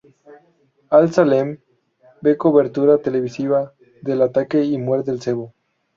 Al-Saleem ve cobertura televisiva del ataque y muerde el cebo.